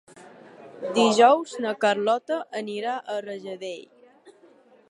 Dijous na Carlota anirà a Rajadell.